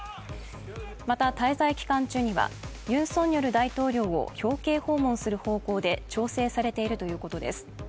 また、滞在期間中にはユン・ソンニョル大統領を表敬訪問する方向で調整されているということです。